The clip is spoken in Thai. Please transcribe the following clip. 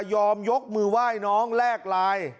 ยกมือไหว้น้องแลกไลน์